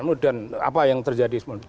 ditampung di dan apa yang terjadi